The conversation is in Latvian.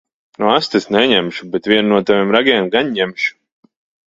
Nu asti es neņemšu. Bet vienu no taviem ragiem gan ņemšu.